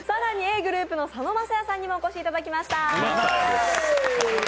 Ｇｒｏｕｐの佐野晶哉さんにもお越しいただきました。